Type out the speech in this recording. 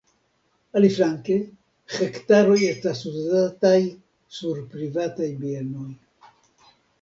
Aliflanke hektaroj estas uzataj sur privataj bienoj.